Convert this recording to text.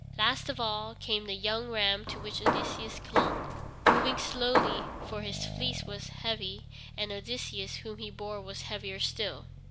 Last of all came the young ram to which Odysseus clung, moving slowly, for his fleece was heavy, and Odysseus whom he bore was heavier still.